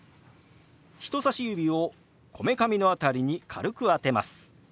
人さし指をこめかみの辺りに軽く当てます。